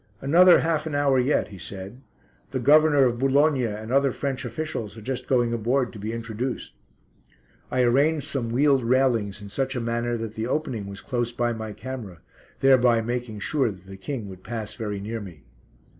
"Another half an hour yet," he said, "the Governor of Boulogne and other French officials are just going aboard to be introduced." I arranged some wheeled railings in such a manner that the opening was close by my camera, thereby making sure that the King would pass very near me.